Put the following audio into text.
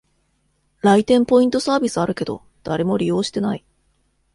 来店ポイントサービスあるけど、誰も利用してない